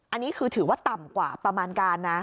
อันนี้คือถือว่าต่ำกว่าประมาณการนะ